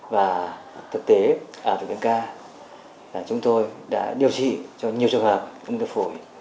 và thực tế ở tỉnh bến ca là chúng tôi đã điều trị cho nhiều trường hợp ung thư phổi